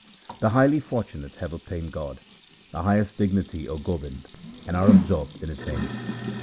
The highly fortunate have obtained God, the highest dignity, O Gobind, and are absorbed in His name.